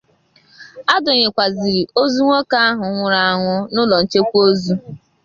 A dọnyekwazịrị ozu nwoke ahụ nwụrụ anwụ n'ụlọ nchekwa ozu